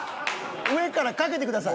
上からかけてください。